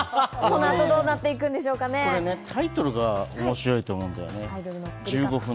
この後、どうなっていくんでタイトルが面白いと思うんだよね。